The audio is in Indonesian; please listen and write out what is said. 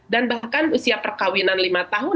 dan bahkan usia perkawinan lima tahun